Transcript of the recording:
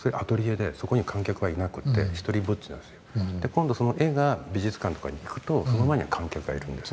今度その絵が美術館とかに行くとその前には観客がいる。